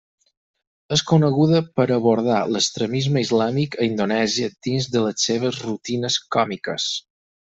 És coneguda per abordar l'extremisme islàmic a Indonèsia dins de les seves rutines còmiques.